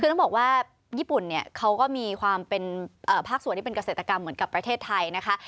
คือต้องบอกว่าญี่ปุ่นเนี่ยเขาก็มีความเป็นภาคส่วนที่เป็นเกษตรกรรมเหมือนกับประเทศไทยนะคะ